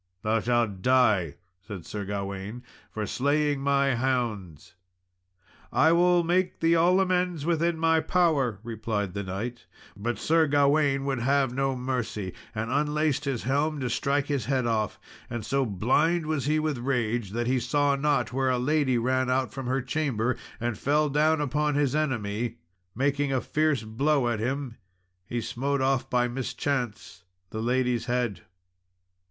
"Thou shalt die," said Sir Gawain, "for slaying my hounds." "I will make thee all amends within my power," replied the knight. But Sir Gawain would have no mercy, and unlaced his helm to strike his head off; and so blind was he with rage, that he saw not where a lady ran out from her chamber and fell down upon his enemy. And making a fierce blow at him, he smote off by mischance the lady's head.